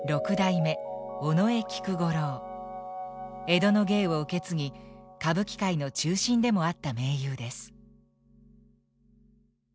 江戸の芸を受け継ぎ歌舞伎界の中心でもあった名優です。